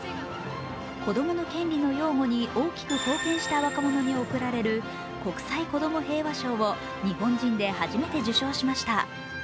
子供の権利の擁護に大きく貢献した若者に贈られる国際子ども平和賞を日本人で初めて受賞しました。